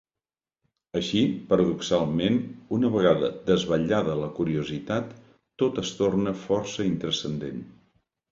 Així, paradoxalment, una vegada desvetllada la curiositat tot es torna força intranscendent.